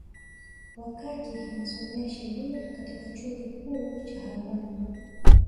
Wakati anasomea sheria katika Chuo Kikuu cha Havana